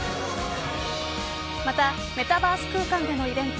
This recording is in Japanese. またメタバース空間でのイベント